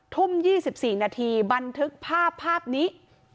ทุ่ม๒๔นาทีบันทึกภาพภาพนี้